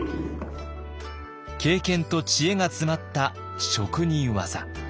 経験と知恵が詰まった職人技。